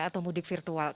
atau mudik virtual